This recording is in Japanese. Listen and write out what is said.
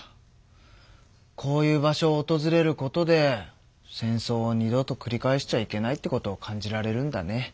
こういう場所をおとずれることで戦争を二度とくり返しちゃいけないってことを感じられるんだね。